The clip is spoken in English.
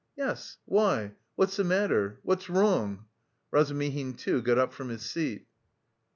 "Yes... why? What's the matter? What's wrong?" Razumihin, too, got up from his seat.